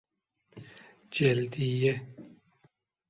جلدیه